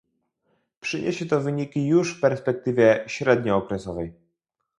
Przyniesie to wyniki już w perspektywie średniookresowej